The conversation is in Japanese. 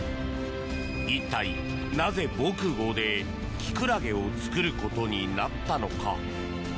一体なぜ、防空壕でキクラゲを作ることになったのか？